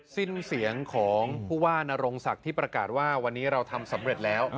สิ้นเสียงของผู้ว่านรงศักดิ์ที่ประกาศว่าวันนี้เราทำสำเร็จแล้ว